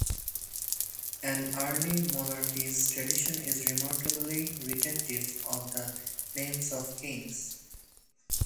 In early monarchies, tradition is remarkably retentive of the names of kings.